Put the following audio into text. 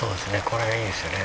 これがいいですよね。